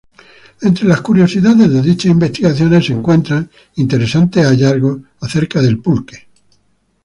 Entre las curiosidades de dichas investigaciones se encuentran interesantes hallazgos acerca del Pulque.